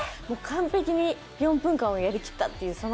もう完璧に４分間をやりきったという。